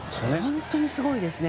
本当にすごいですね。